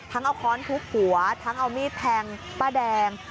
ทั้งเอาค้อนทุบหัวทั้งเอามีดแทงป้าแดง